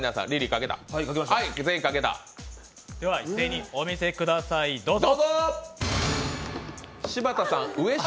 一斉にお見せください、どうぞ！